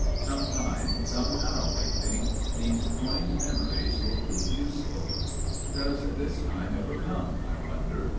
Some time, somehow, they think, these coined memories will prove useful. Does this time ever come, I wonder?